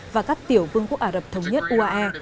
và các tiểu vương quốc ả rập thống nhất uae